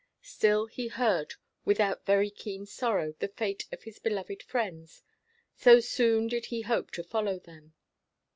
Still he heard without very keen sorrow the fate of his beloved friends, so soon did he hope to follow them.